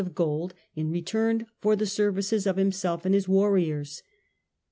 of gold in return for the services of himself and his warriors.